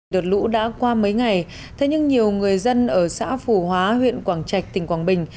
đợt lũ đã qua mấy ngày thế nhưng nhiều người dân ở xã phù hóa huyện quảng trạch tỉnh quảng bình